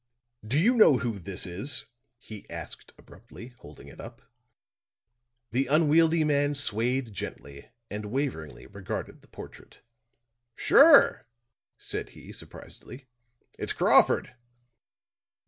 "Do you know who this is?" he asked, abruptly, holding it up. The unwieldy man swayed gently and waveringly regarded the portrait. "Sure!" said he surprisedly, "it's Crawford."